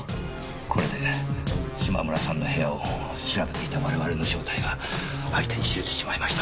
これで嶋村さんの部屋を調べていた我々の正体が相手に知れてしまいました。